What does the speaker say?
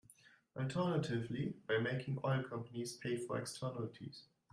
Alternatively, by making oil companies pay for externalities.